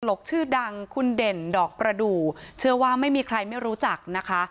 กชื่อดังคุณเด่นดอกประดูกเชื่อว่าไม่มีใครไม่รู้จักนะคะ